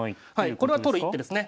これは取る一手ですね。